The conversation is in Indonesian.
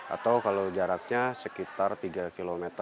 atau kalau jaraknya sekitar tiga km